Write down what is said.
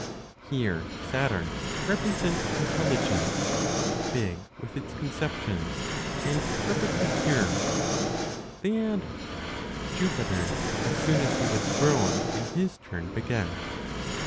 Here Saturn represents intelligence, big with its conceptions, and perfectly pure. They add, "Jupiter, as soon as he was grown, in his turn begat."